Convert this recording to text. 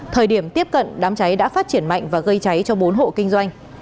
thời điểm tiếp cận đám cháy đã phát triển mạnh và gây cháy cho bốn hộ kinh doanh